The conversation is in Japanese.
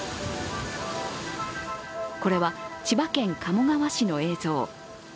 これは、千葉県鴨川市の映像。